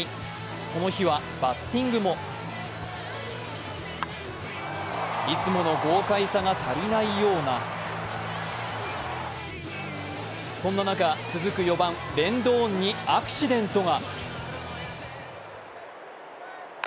この日はバッティングもいつもの豪快さが足りないようなそんな中、続く４番・レンドーンにアクシデントが。